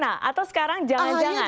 atau sekarang jangan jangan